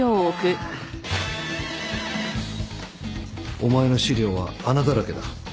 お前の資料は穴だらけだ。